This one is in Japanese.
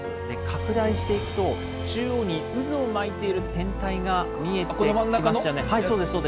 拡大していくと、中央に渦を巻いている天体が見えてきましたね。